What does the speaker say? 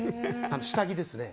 下着ですね。